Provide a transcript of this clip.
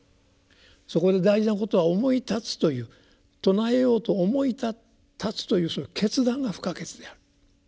そこで大事なことは思い立つという称えようと思い立つというその決断が不可欠である。